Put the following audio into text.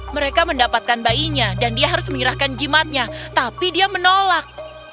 mereka mendapatkan bayinya dan dia harus menyerahkan jimatnya tapi dia menolak